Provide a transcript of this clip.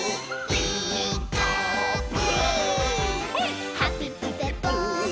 「ピーカーブ！」